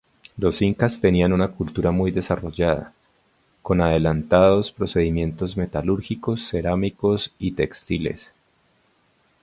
Los incas tenían una cultura muy desarrollada, con adelantados procedimientos metalúrgicos, cerámicos y textiles.